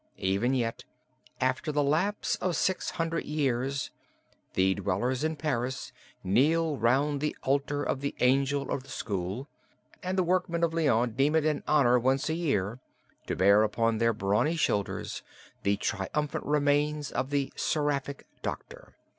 Even yet, after the lapse of six hundred years, the dwellers in Paris kneel round the altar of the Angel of the School, and the workmen of Lyons deem it an honor once a year to bear upon their brawny shoulders the triumphant remains of the 'Seraphic Doctor.'"